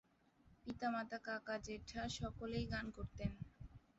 পিতা-মাতা-কাকা-জ্যাঠা সকলেই গান করতেন।